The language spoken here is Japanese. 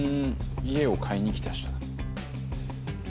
家を買いにきた人なんだ。